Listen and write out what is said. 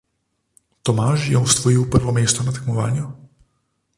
Tomaž je osvojil prvo mesto na tekmovanju.